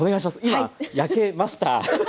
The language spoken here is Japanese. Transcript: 今焼けました。